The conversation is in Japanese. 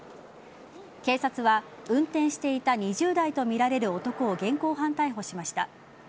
警察は、運転していた２０代とみられる男を現行犯逮捕しました。